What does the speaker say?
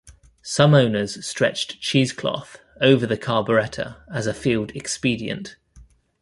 Some owners stretched cheesecloth over the carburettor as a field-expedient.